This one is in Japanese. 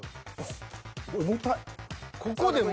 重たい。